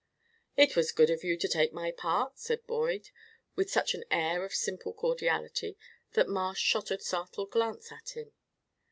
"It was good of you to take my part," said Boyd, with such an air of simple cordiality that Marsh shot a startled glance at him.